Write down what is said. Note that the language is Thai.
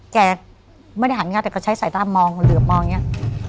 แกไม่ได้หันนะฮะแต่ก็ใช้สายตามองเหลือบมองเนี่ย